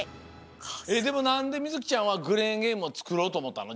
でもなんでみずきちゃんはクレーンゲームをつくろうとおもったの？